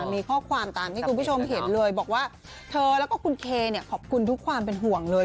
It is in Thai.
มีข้อความตามที่คุณผู้ชมเห็นเลยบอกว่าเธอแล้วก็คุณเคขอบคุณทุกความเป็นห่วงเลย